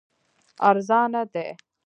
ارزانه دي.